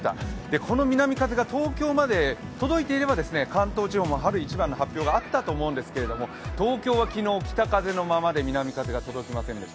この南風が東京にまで届いていれば関東地方も春一番の発表があったと思うんですけれども、東京は昨日北風のままで、南風が届きませんでした。